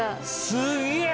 すげえ！